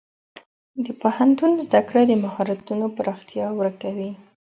د پوهنتون زده کړه د مهارتونو پراختیا ورکوي.